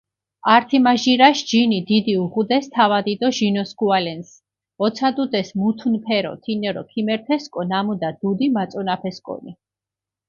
ართიმაჟირაშ ჯინი დიდი უღუდეს თავადი დო ჟინოსქუალენს, ოცადუდეს მუთუნფერო, თინერო ქიმერთესკო ნამუდა დუდი მაწონაფესკონი.